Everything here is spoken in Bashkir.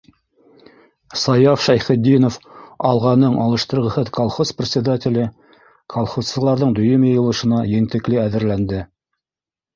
Саяф Шәйхетдинов, «Алға»ның алыштырғыһыҙ колхоз председателе, колхозсыларҙың дөйөм йыйылышына ентекле әҙерләнде.